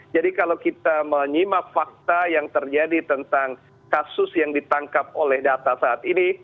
jadi kalau kita menyimak fakta yang terjadi tentang kasus yang ditangkap oleh data saat ini